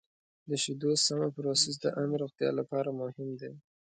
د شیدو سمه پروسس د عامې روغتیا لپاره مهم دی.